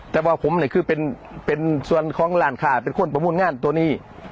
แต่ว่าผมเนี่ยคือเป็นส่วนของหลานค่าเป็นคนประมูลงานตัวนี้